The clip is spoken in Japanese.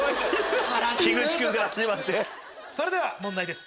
それでは問題です